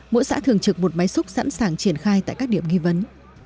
mỗi xã thường trực một máy xúc sẵn sàng triển khai tại các điểm nghi vấn